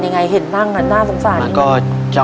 ทับผลไม้เยอะเห็นยายบ่นบอกว่าเป็นยังไงครับ